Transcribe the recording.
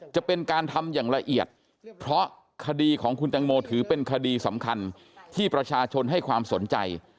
จะเป็นการทำอย่างละเอียดเพราะคดีของคุณตังโมถือเป็นคดีสำคัญที่ประชาชนให้ความสนใจ